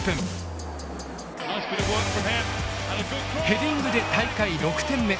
ヘディングで大会６点目。